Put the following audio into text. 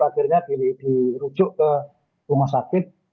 akhirnya dirujuk ke rumah sakit